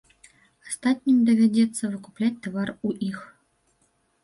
Астатнім давядзецца выкупляць тавар у іх.